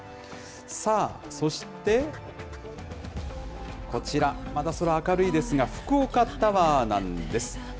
さあ、そしてこちら、まだ空明るいですが、福岡タワーなんです。